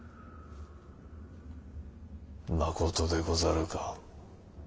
まことでござるか？